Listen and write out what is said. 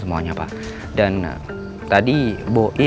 dan kayaknya kita udah beres nih